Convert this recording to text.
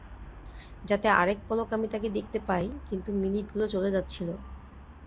যাতে আরেক পলক আমি তাকে দেখতে পাই, কিন্তু মিনিটগুলো চলে যাচ্ছিলো।